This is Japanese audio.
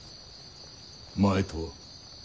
前とは？